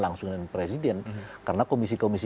langsung dengan presiden karena komisi komisi